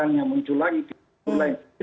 salah satu orang saja